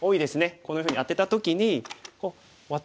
こんなふうにアテた時にワタる手。